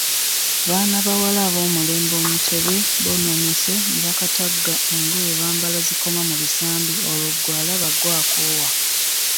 Baana bawala ab'omulembe o'mutebi boononese nebakatagga engoye bambala zikoma mu bisambi olwo gwe alaba gwe akoowa.